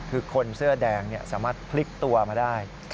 คือคนเสื้อแดงสามารถพลิกตัวมาได้